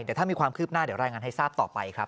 เดี๋ยวถ้ามีความคืบหน้าเดี๋ยวรายงานให้ทราบต่อไปครับ